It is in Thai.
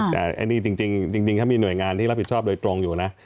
แต่อันนี้จริงถ้ามีหน่วยงานที่รับผิดชอบโดยตรงอยู่นะ